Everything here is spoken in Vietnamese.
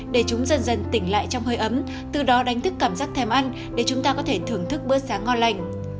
để chúng dần dần tỉnh lại trong hơi ấm từ đó đánh thức cảm giác thèm ăn để chúng ta có thể thưởng thức bữa sáng ngo lành